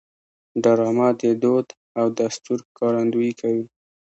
ډرامه د دود او دستور ښکارندویي کوي